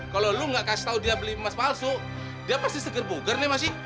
kalau lu gak kasih tau dia beli emas palsu dia pasti seger buger nih masih